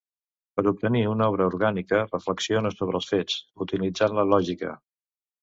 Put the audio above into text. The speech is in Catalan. Per obtenir una obra orgànica reflexiona sobre els fets, utilitzant la lògica.